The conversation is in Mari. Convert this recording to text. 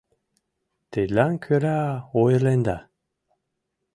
— Тидлан кӧра ойырленда?